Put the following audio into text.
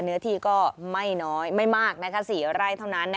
เนื้อที่ก็ไม่น้อยไม่มาก๔ไร่เท่านั้น